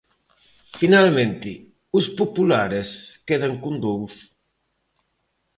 Finalmente, os populares quedan con dous.